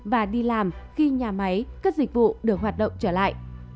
và đi làm khi nhà máy các dịch vụ được hoạt động trở lại